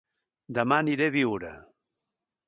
Dema aniré a Biure